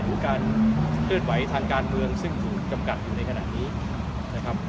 หรือการเคลื่อนไหวทางการเมืองซึ่งถูกจำกัดอยู่ในขณะนี้นะครับ